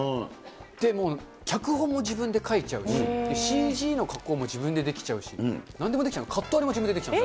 で、もう脚本も自分で書いちゃうし、ＣＧの加工も自分でできちゃうし、なんでもできちゃうカット割りもできちゃう。